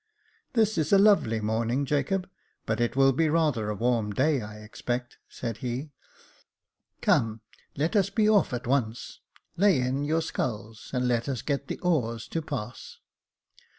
" This is a lovely morning, Jacob ; but it will be rather a warm day, I expect," said he; "come let us be off at once ; lay in your sculls, and let us get the oars to pass."